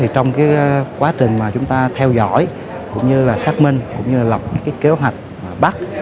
trong quá trình mà chúng ta theo dõi cũng như xác minh cũng như lập kế hoạch bắt